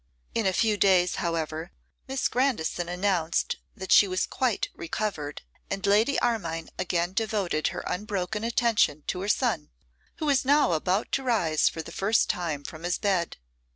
In a few days, however, Miss Grandison announced that she was quite recovered, and Lady Armine again devoted her unbroken attention to her son, who was now about to rise for the first time from his bed.